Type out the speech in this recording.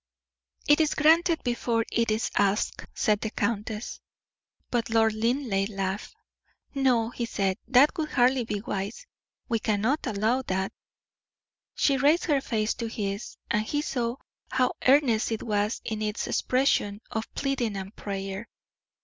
"It is granted before it is asked," said the countess. But Lord Linleigh laughed. "No," he said, "that would hardly be wise; we cannot allow that." She raised her face to his, and he saw how earnest it was in its expression of pleading and prayer.